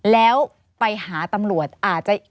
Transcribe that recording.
แล้วไปหาตำรวจ